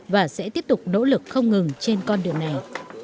và sẽ tiếp tục nỗ lực không ngừng trên con đường này